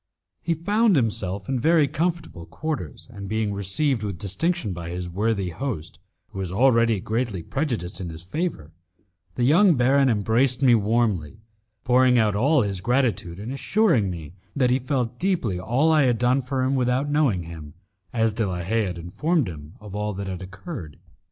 He found himself in very comfortable quarters, and being received with distinction by his worthy host, who was already greatly prejudiced in his favour, the young baron embraced me warmly, pouring out all his gratitude, and assuring me that he felt deeply all I had done for him without knowing him, as De la Haye had informed him of all that had occurred.